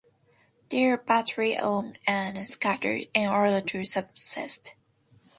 They are badly armed and scattered, in order to subsist.